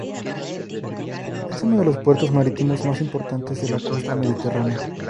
Es uno de los puertos marítimos más importantes de la costa mediterránea.